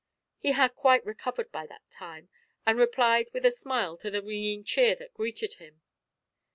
He had quite recovered by that time, and replied with a smile to the ringing cheer that greeted him.